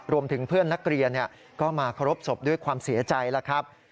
รวมถึงเพื่อนนักเรียนก็มาเคารพศพด้วยความเสียใจแล้วครับ